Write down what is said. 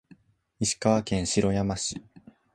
石川県白山市